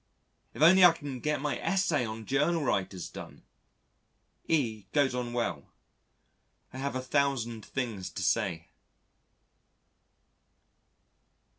If only I can get my Essay on Journal Writers done. E goes on well. I have a thousand things to say.